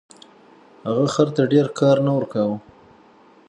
هغه خر ته ډیر کار نه ورکاوه.